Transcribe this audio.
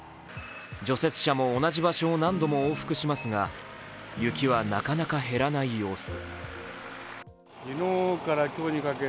除雪車も同じ場所を何度も往復しますが雪はなかなか減らない様子。